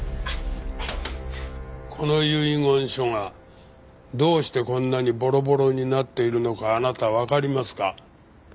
この遺言書がどうしてこんなにボロボロになっているのかあなたわかりますか？